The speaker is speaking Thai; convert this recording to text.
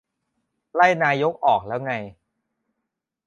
ไล่นายกออกแล้วไง ?